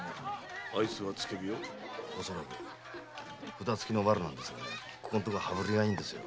札つきのワルですがここのところ羽振りがいいんですよ。